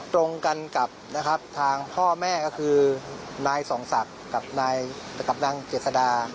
ตรงกันกับทางพ่อแม่ก็คือนายส่องศักดิ์กับนางเจษฎา